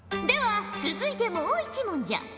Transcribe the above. では続いてもう一問じゃ。